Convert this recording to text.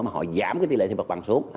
mà họ giảm tỷ lệ thuê mặt bằng xuống